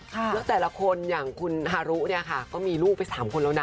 แล้วแต่ละคนอย่างคุณฮารุเนี่ยค่ะก็มีลูกไป๓คนแล้วนะ